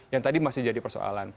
yang tadi masih jadi persoalan